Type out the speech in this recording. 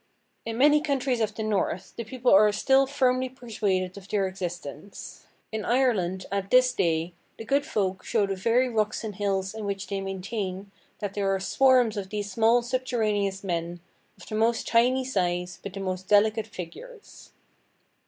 In many countries of the north, the people are still firmly persuaded of their existence. In Ireland, at this day, the good folk show the very rocks and hills in which they maintain that there are swarms of these small subterraneous men, of the most tiny size, but the most delicate figures."